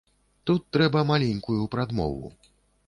Тут трэба маленькую прадмову.